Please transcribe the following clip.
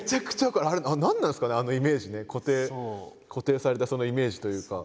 あれ何なんですかねあのイメージね固定されたそのイメージというか。